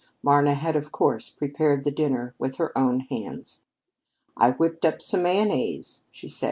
Marna had, of course, prepared the dinner with her own hands. "I whipped up some mayonnaise," she said.